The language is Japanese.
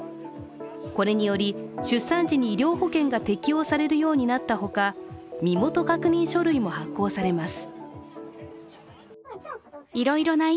これにより、出産時に医療保険が適用される様になったほか身元確認書類も発行されます。